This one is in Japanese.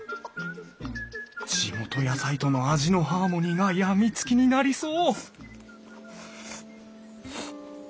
地元野菜との味のハーモニーが病みつきになりそう！